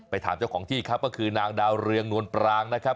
ถามเจ้าของที่ครับก็คือนางดาวเรืองนวลปรางนะครับ